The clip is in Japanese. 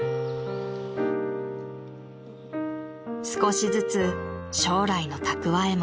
［少しずつ将来の蓄えも］